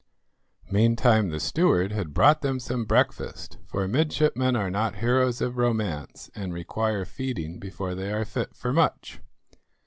Meantime the steward had brought them some breakfast; for midshipmen are not heroes of romance, and require feeding before they are fit for much.